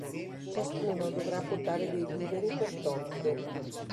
Ciascuno dovrà portare dei viveri per tot.